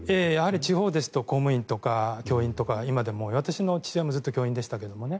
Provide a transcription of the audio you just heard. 地方ですと公務員とか教職とか今でも、私の父親もずっと教員でしたけどね。